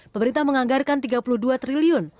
pemerintah menganggarkan rp tiga puluh dua triliun